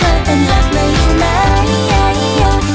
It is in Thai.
ว่าแล้วแฮบบิบเตอร์เตตโนโย